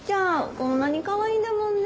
こんなにカワイイんだもんね。